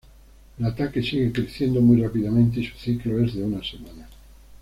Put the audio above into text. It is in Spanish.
El ataque sigue creciendo muy rápidamente y su ciclo es de una semana.